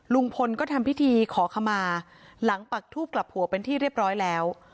ลุงพลก็ทำพิธีขอขมาหลังปักทูบกลับหัวเป็นที่เรียบร้อยแล้ว